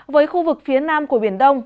với khu vực phía nam của biển đông